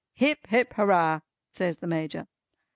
"Hip hip Hurrah!" says the Major.